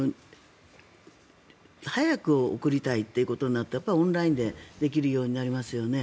早く送りたいということだとオンラインでできるようになりますよね。